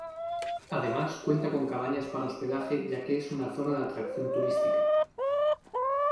Además cuenta con cabañas para hospedaje ya que es una zona de atracción turística.